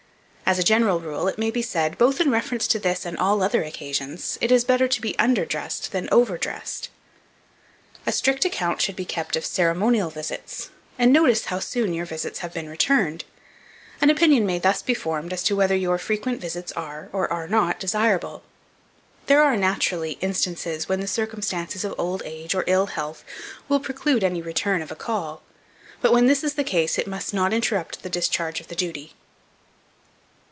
As a general rule, it may be said, both in reference to this and all other occasions, it is better to be under dressed than over dressed. A strict account should be kept of ceremonial visits, and notice how soon your visits have been returned. An opinion may thus be formed as to whether your frequent visits are, or are not, desirable. There are, naturally, instances when the circumstances of old age or ill health will preclude any return of a call; but when this is the case, it must not interrupt the discharge of the duty.